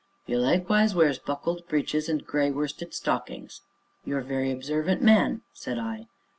"You likewise wears buckled breeches, and gray worsted stockings." "You are a very observant man!" said I.